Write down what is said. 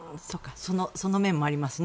その面もありますね。